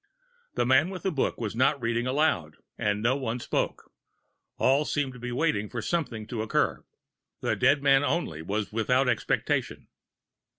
The man with the book was not reading aloud, and no one spoke; all seemed to be waiting for something to occur; the dead man only was without expectation.